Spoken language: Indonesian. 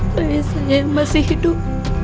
bayi saya masih hidup